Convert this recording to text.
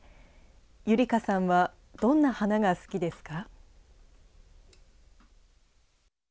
ゆりかさんはどんなはながすきですか」。